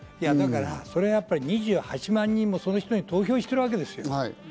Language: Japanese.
それはやっぱり２８万人も、その人に投票してるわけです。